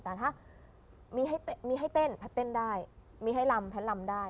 แต่ถ้ามีให้เต้นแพทย์เต้นได้มีให้ลำแพทย์ลำได้